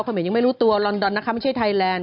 เหม็นยังไม่รู้ตัวลอนดอนนะคะไม่ใช่ไทยแลนด